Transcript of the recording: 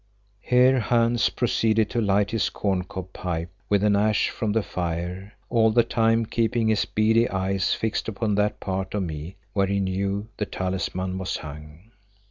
Here Hans proceeded to light his corncob pipe with an ash from the fire, all the time keeping his beady eyes fixed upon that part of me where he knew the talisman was hung.